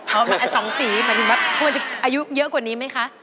สองสีหมายถึงว่าควรจะอายุเยอะกว่านี้ไหมคะ